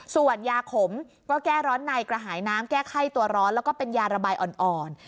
ส่วนยาขมก็แก้ร้อนในกระหายน้ำแก้ไข้ตัวร้อนแล้วก็เป็นยาระบายอ่อน